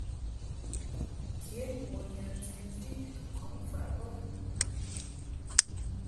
Nkenbun yɔ ndib mvi ma ŋkɔŋ faʼ bə.